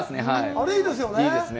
あれはいいですよね。